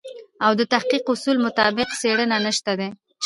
او د تحقیق اصولو مطابق څېړنه نشته دی.